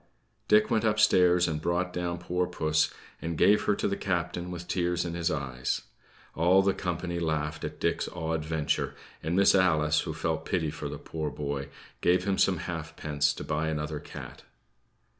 Dick went upstairs and brought down poor puss, and gave her to the captain with tears in his eyes. All the company laughed at Dick's odd venture; and Miss Alice, who felt pity for the poor boy, gave him some halfpence to buy another cat.